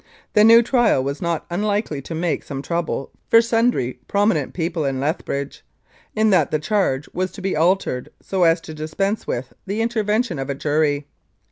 The new trial was not unlikely to make some trouble for sundry prominent people in Lethbridge, in that the charge was to be altered so as to dispense with the intervention of a jury.